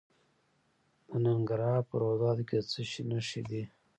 د ننګرهار په روداتو کې د څه شي نښې دي؟